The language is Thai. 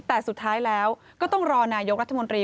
แต่สุดท้ายแล้วก็ต้องรอนายกรัฐมนตรี